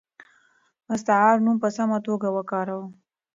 مستعار نوم په سمه توګه وکاروه.